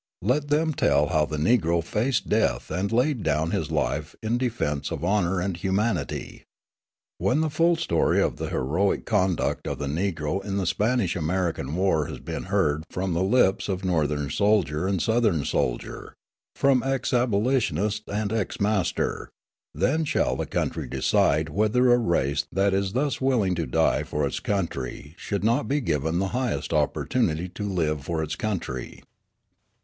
Let them tell how the Negro faced death and laid down his life in defence of honour and humanity. When the full story of the heroic conduct of the Negro in the Spanish American War has been heard from the lips of Northern soldier and Southern soldier, from ex abolitionist and ex master, then shall the country decide whether a race that is thus willing to die for its country should not be given the highest opportunity to live for its country.